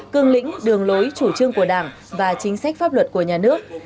cương lĩnh đường lối chủ trương của đảng và chính sách pháp luật của nhà nước